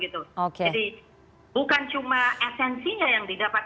jadi bukan cuma esensinya yang didapat